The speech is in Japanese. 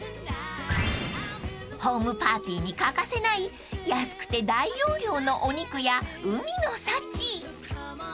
［ホームパーティーに欠かせない安くて大容量のお肉や海の幸］